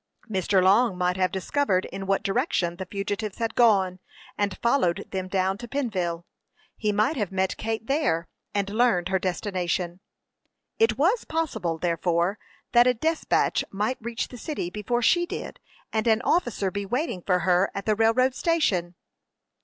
Mr. Long might have discovered in what direction the fugitives had gone, and followed them down to Pennville. He might have met Kate there, and learned her destination. It was possible, therefore, that a despatch might reach the city before she did, and an officer be waiting for her at the railroad station.